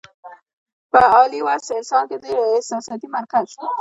پۀ عالي وصف انسان کې د احساساتي مرکز